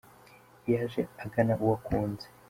Iyo aje agana uwo akunze